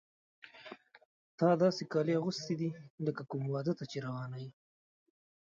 تا داسې کالي اغوستي دي لکه کوم واده ته چې روانه یې.